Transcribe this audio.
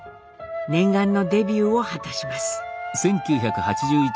念願のデビューを果たします。